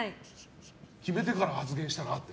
決めてから発言したらって？